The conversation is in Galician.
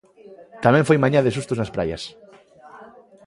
Tamén foi mañá de sustos nas praias.